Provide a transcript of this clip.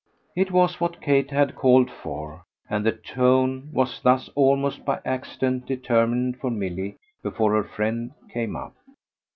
It was what Kate had called for, and the tone was thus almost by accident determined for Milly before her friend came up.